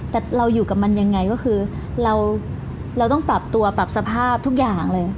แต่เราอยู่กับมันยังไงก็คือเราต้องปรับตัวปรับสภาพทุกอย่างเลย